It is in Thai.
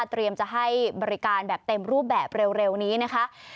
จะให้บริการแบบเต็มรูปแบบเร็วนี้นะคะ